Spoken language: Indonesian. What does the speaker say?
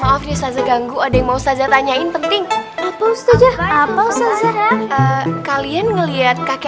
maaf ya saja ganggu ada yang mau saja tanyain penting apa usaha apa usaha kalian ngelihat kakek